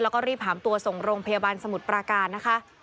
แล้วก็รีบหามตัวส่งโรงพยาบาลสมุทรปราการนะคะ